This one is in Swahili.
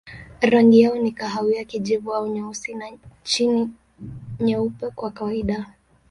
Rangi yao ni kahawia, kijivu au nyeusi na chini nyeupe kwa kawaida.